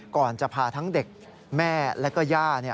ก่อนจะพาทั้งเด็กแม่และก็ย่า